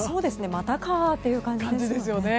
またかという感じですね。